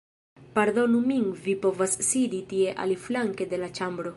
Pardonu min vi povas sidi tie aliflanke de la ĉambro!